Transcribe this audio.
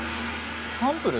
サンプル？